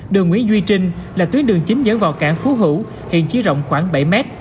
đường nguyễn duy trinh là tuyến đường chính dẫn vào cảng phú hữu hiện chỉ rộng khoảng bảy mét